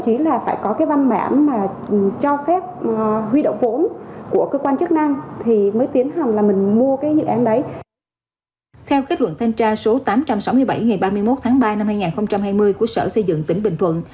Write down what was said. theo kết luận thanh tra số tám trăm sáu mươi bảy ngày ba mươi một tháng ba năm hai nghìn hai mươi của sở xây dựng tỉnh bình thuận